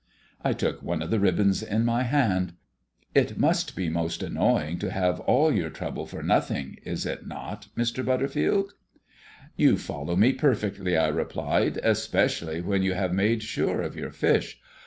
I took one of the ribbons in my hand. "It must be most annoying to have all your trouble for nothing, is it not, Mr. Butterfield?" "You follow me perfectly," I replied, "especially when you have made sure of your fish.